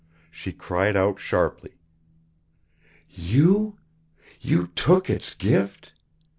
She cried out sharply. "You? You took Its gift?